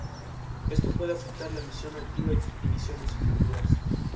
Esto puede afectar la misión activa y misiones futuras.